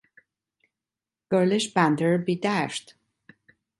Girlish banter, be dashed.